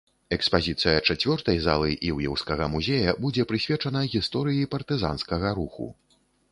Экспазіцыя чацвёртай залы іўеўскага музея будзе прысвечана гісторыі партызанскага руху.